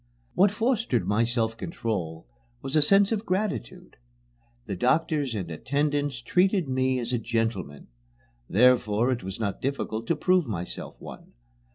What fostered my self control was a sense of gratitude. The doctors and attendants treated me as a gentleman. Therefore it was not difficult to prove myself one.